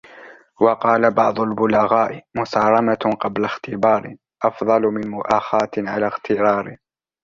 وَقَالَ بَعْضُ الْبُلَغَاءِ مُصَارَمَةٌ قَبْلَ اخْتِبَارٍ ، أَفْضَلُ مِنْ مُؤَاخَاةٍ عَلَى اغْتِرَارٍ